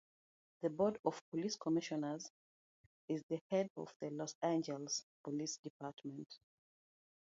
The Board of Police Commissioners is the head of the Los Angeles Police Department.